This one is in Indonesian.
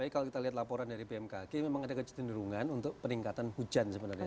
kalau kita lihat laporan dari bmkg memang ada kecenderungan untuk peningkatan hujan sebenarnya